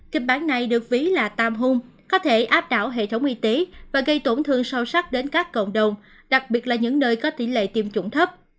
kịch bản này được ví là tam hung có thể áp đảo hệ thống y tế và gây tổn thương sâu sắc đến các cộng đồng đặc biệt là những nơi có tỷ lệ tiêm chủng thấp